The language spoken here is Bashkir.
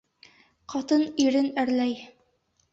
Ҡатын ирен әрләй: